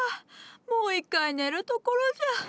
もう一回寝るところじゃ。